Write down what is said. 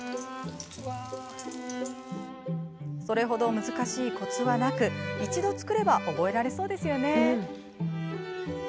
それ程、難しいコツはなく一度作れば覚えられそうですよね。